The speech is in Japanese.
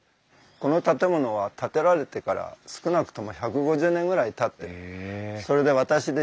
この建物は建てられてから少なくとも１５０年ぐらいたっててそれで私で１１代目なんです。